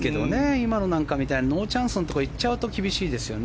今のなんかみたいにノーチャンスのところに行っちゃうと厳しいですよね。